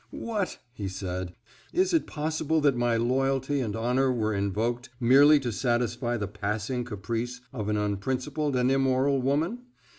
"What!" he said, "is it possible that my loyalty and honor were invoked merely to satisfy the passing caprice of an unprincipled and immoral woman?